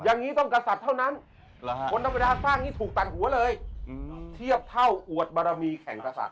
อย่างนี้ต้องกษัตริย์เท่านั้นคนธรรมดาสร้างนี้ถูกตัดหัวเลยเทียบเท่าอวดบารมีแข่งกษัตว